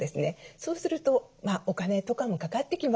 そうするとお金とかもかかってきます